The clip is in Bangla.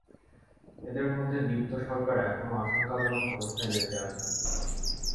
এঁদের মধ্যে দীপ্ত সরকার এখনো আশঙ্কাজনক অবস্থায় বেঁচে আছেন।